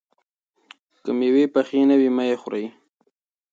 که مېوې پخې نه وي، مه یې خورئ.